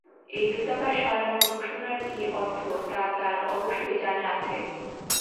এই দূতাবাস সরানোর ঘোষণার কী অর্থ, তা তাঁর অবশ্যই জানা আছে।